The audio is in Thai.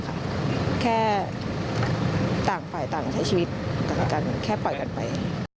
แค่ต่างฝ่ายต่างใช้ชีวิตต่างกันแค่ปล่อยกันไป